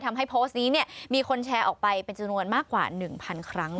ทำให้โพสต์นี้มีคนแชร์ออกไปเป็นจำนวนมากกว่า๑๐๐ครั้ง